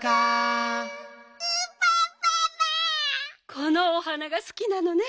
このお花がすきなのね。